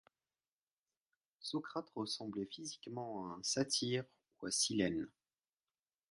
Socrate ressemblait physiquement à un satyre ou à Silène.